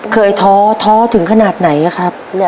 ท้อท้อถึงขนาดไหนครับ